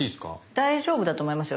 大丈夫だと思いますよ。